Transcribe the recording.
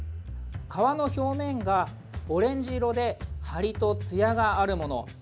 皮の表面がオレンジ色でハリとツヤがあるもの。